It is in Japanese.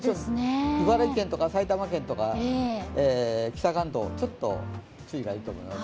茨城県とか埼玉県とか、北関東、ちょっと注意が要ると思います。